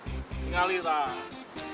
tinggal itu lah